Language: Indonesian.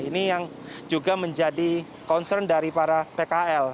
ini yang juga menjadi concern dari para pkl